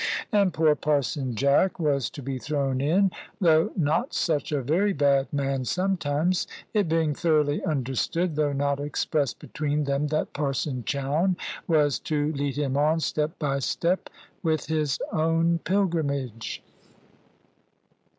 And poor Parson Jack was to be thrown in, though not such a very bad man sometimes; it being thoroughly understood, though not expressed between them, that Parson Chowne was to lead him on, step by step, with his own pilgrimage.